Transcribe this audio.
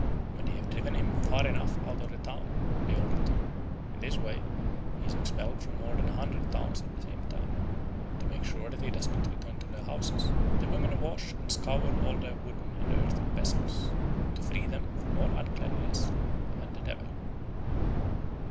When they have driven him far enough out of the town, they all return. In this way he is expelled from more than a hundred towns at the same time. To make sure that he does not return to their houses, the women wash and scour all their wooden and earthen vessels, "to free them from all uncleanness and the devil."